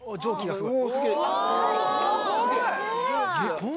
すごい！